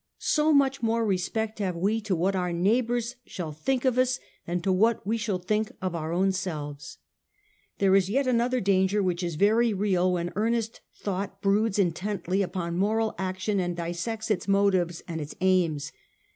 So much more respect have we to what our neighbours shall think of us than to what we shall think of our own selves.* There is yet another danger, which is very real, when earnest thought broods intently upon moral action, and and no undue self contempt or pessi mism, dissects its motives and its aims.